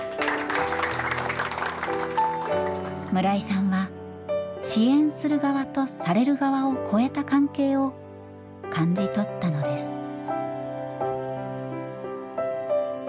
村井さんは支援する側とされる側を超えた関係を感じ取ったのです。